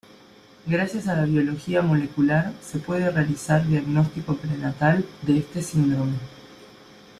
Gracias a la biología molecular se puede realizar diagnóstico prenatal de este síndrome.